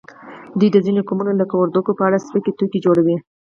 دوی د ځینو قومونو لکه وردګو په اړه سپکې ټوکې جوړوي